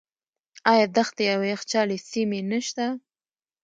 آیا دښتې او یخچالي سیمې نشته؟